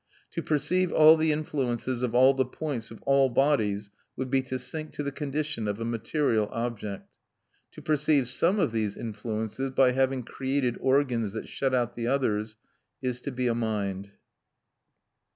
"To perceive all the influences of all the points of all bodies would be to sink to the condition of a material object." To perceive some of these influences, by having created organs that shut out the others, is to be a mind.